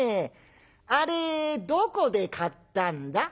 あれどこで買ったんだ？」。